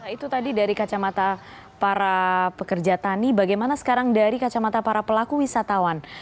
itu tadi dari kacamata para pekerja tani bagaimana sekarang dari kacamata para pelaku wisatawan